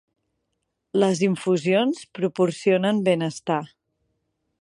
Les infusions proporcionen benestar.